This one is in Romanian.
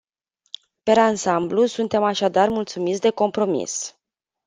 Per ansamblu, suntem așadar mulțumiți de compromis.